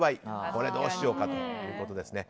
これどうしようかということですね。